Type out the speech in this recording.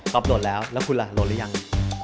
โหลดแล้วแล้วคุณล่ะโหลดหรือยัง